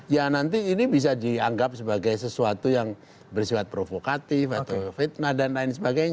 ya nanti ini bisa dianggap sebagai sesuatu yang bersifat provokatif atau fitnah dan lain sebagainya